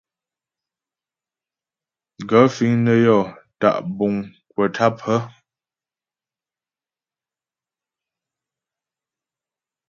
Gaə̂ fíŋ nə́ yɔ́ tá' buŋ kwə̀ tâp hə́ ?